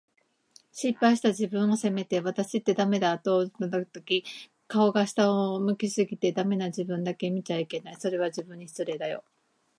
失敗した自分を責めて、「わたしってダメだ」と俯いたとき、顔が下を向き過ぎて、“ダメ”な自分だけ見ちゃいけない。それは、自分に失礼だよ。